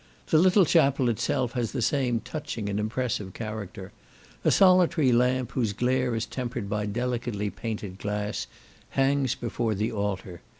The little chapel itself has the same touching and impressive character. A solitary lamp, whose glare is tempered by delicately painted glass, hangs before the altar.